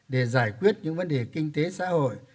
để giải quyết những vấn đề kinh tế xã hội